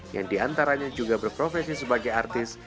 yang diantaranya juga berprofesi sebagai artis